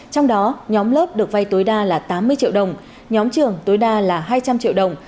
trong đó nhóm lớp được vay tối đa là tám mươi triệu đồng nhóm trường tối đa là hai trăm linh triệu đồng